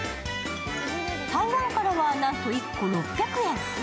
台湾からはなんと、１個６００円。